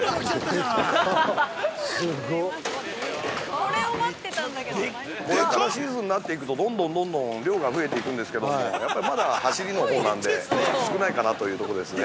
◆これからシーズンになっていくとどんどんどんどん量が増えていくんですけどもやっぱり、まだはしりのほうなんでちょっと少ないかなというとこですね。